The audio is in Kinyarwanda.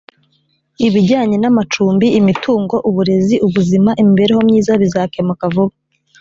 ibijyanye namacumbi imitungo uburezi ubuzima imibereho myiza bizakemuka vuba